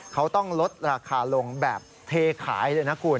เขาต้องลดราคาลงแบบเทขายเลยนะคุณ